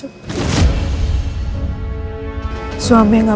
pulang ke rumah